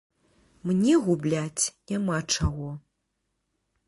Мне губляць няма чаго.